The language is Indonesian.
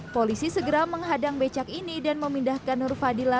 polisi segera menghadang becak ini dan memindahkan nur fadila